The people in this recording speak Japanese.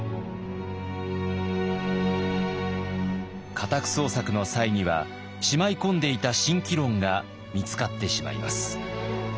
家宅捜索の際にはしまいこんでいた「慎機論」が見つかってしまいます。